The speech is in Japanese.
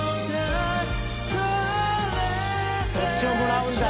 そっちをもらうんだ。